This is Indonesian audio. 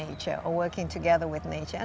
atau bekerja bersama dengan alam